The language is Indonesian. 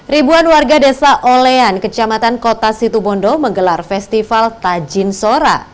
ribuan warga desa olean kecamatan kota situbondo menggelar festival tajin sora